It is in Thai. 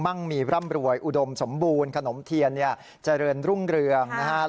ั่งมีร่ำรวยอุดมสมบูรณ์ขนมเทียนเนี่ยเจริญรุ่งเรืองนะครับ